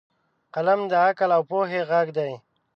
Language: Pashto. قلم د عقل او پوهې غږ دی